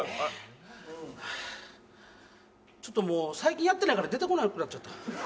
ちょっともう最近やってないから出てこなくなっちゃった。